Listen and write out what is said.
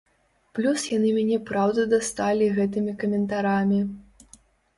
Плюс яны мяне праўда дасталі гэтымі каментарамі.